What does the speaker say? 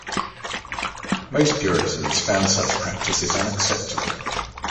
Most Puritans found such practices unacceptable.